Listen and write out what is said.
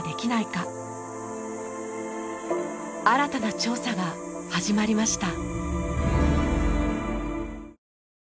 新たな調査が始まりました。